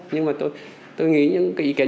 nhưng mà tôi nghĩ những cái ý kiến đó